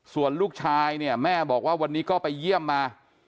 ส่วนลูกชายเนี่ยแม่บอกว่าวันนี้ก็ไปเยี่ยมมา